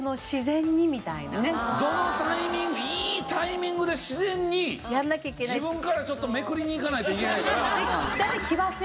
どのタイミングいいタイミングで自然に自分からちょっとめくりにいかないといけないから。